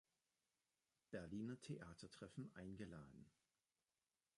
Berliner Theatertreffen eingeladen.